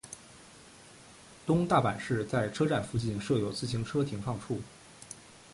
东大阪市在车站附近设有自行车停放处。